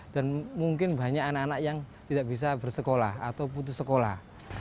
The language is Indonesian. dan mungkin banyak anak anak yang tidak bisa bersekolah atau putus sekolah